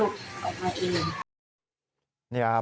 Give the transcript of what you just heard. มันหลุดออกมาเอง